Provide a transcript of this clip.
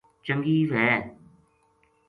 چنگی وھے